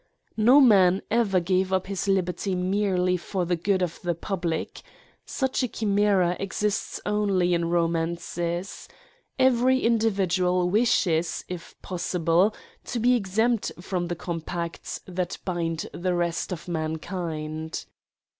No man ever gave up his liberty merely for the good of the public. Such a chimera exists only in romances. Every individual wishes, if possible, to be exempt from the compacts that bind the rest of mankind.